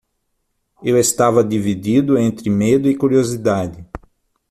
Eu estava dividido entre medo e curiosidade.